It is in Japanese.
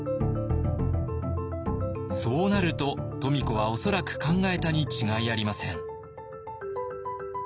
そうなると富子は恐らく考えたに違いありません。